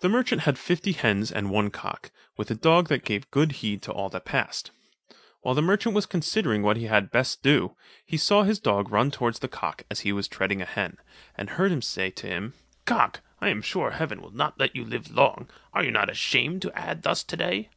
The merchant had fifty hens and one cock, with a dog that gave good heed to all that passed. While the merchant was considering what he had best do, he saw his dog run towards the cock as he was treading a hen, and heard him say to him: "Cock, I am sure heaven will not let you live long; are you not ashamed to ad thus to day?"